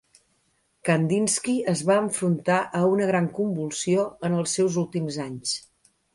Kandinski es va enfrontar a una gran convulsió en els seus últims anys.